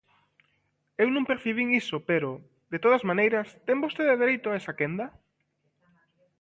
Eu non percibín iso pero, de todas maneiras, ten vostede dereito a esa quenda.